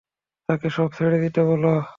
তাকে সব ছেড়ে দিতে বল।